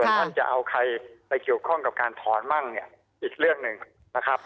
ท่านจะเอาใครไปเกี่ยวข้องกับการถอนมั่งเนี่ยอีกเรื่องหนึ่งนะครับ